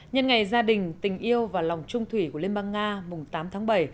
nhân ngày gia đình tình yêu và lòng trung thủy của liên bang nga mùng tám tháng bảy